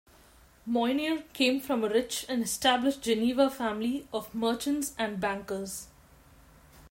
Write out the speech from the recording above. Moynier came from a rich and established Geneva family of merchants and bankers.